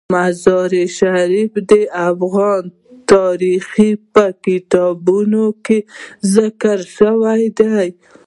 مزارشریف د افغان تاریخ په ټولو کتابونو کې ذکر شوی دی.